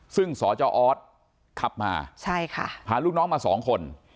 ซึ่งศอขับมาพาลูกน้องมา๒คน